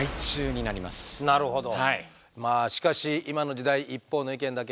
なるほど。